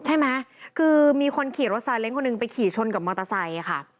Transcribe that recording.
ใช่ไหมคือมีคนขี่รถซาเล้งคนหนึ่งไปขี่ชนกับมอเตอร์ไซค์ค่ะ